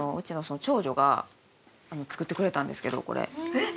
えっ！